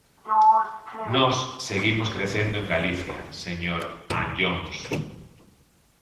Nós seguimos crecendo en Galicia, señor Anllóns.